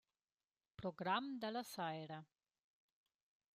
Program da la saira.